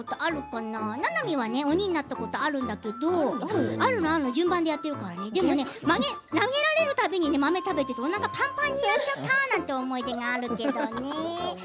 ななみは鬼になったことあるんだけど、順番にやってるからね豆を投げられる度に食べておなかはぱんぱんになっちゃったという思い出があるけどね。